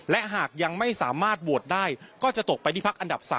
และหากยังไม่สามารถโหวตได้ก็จะตกไปที่พักอันดับ๓